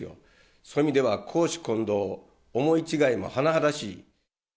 そういう意味では公私混同、思い違いも甚だしい。